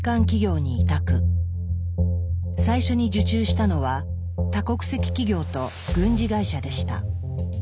最初に受注したのは多国籍企業と軍事会社でした。